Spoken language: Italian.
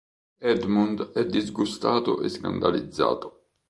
Edmund è disgustato e scandalizzato.